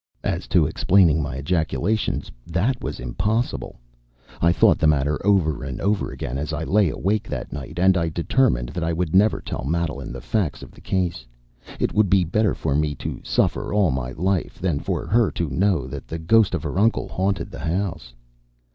As to explaining my ejaculations, that was impossible. I thought the matter over and over again as I lay awake that night, and I determined that I would never tell Madeline the facts of the case. It would be better for me to suffer all my life than for her to know that the ghost of her uncle haunted the house.